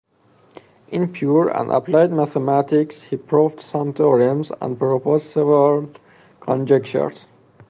In pure and applied mathematics, he proved some theorems and proposed several conjectures.